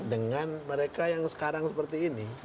dengan mereka yang sekarang seperti ini